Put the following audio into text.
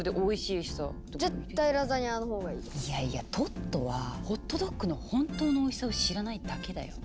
いやいやトットはホットドッグの本当のおいしさを知らないだけだよ。